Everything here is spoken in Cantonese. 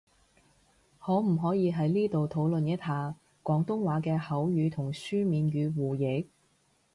可唔可以喺呢度討論一下，廣東話嘅口語同書面語互譯？